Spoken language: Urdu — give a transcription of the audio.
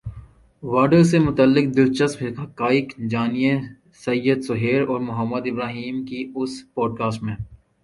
وادر سے متعلق دلچسپ حقائق جانیے سعد سہیل اور محمد ابراہیم کی اس پوڈکاسٹ میں